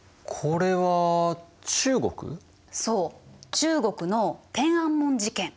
中国の天安門事件。